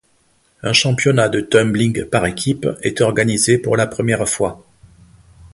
Un championnat de tumbling par équipe est organisé pour la première fois.